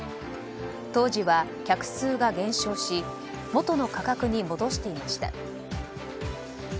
当時は客数が減少し元の価格に戻していました。